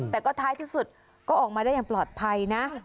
แต่ก็ท้ายที่สุดก็ออกมาได้อย่างปลอดภัยนะ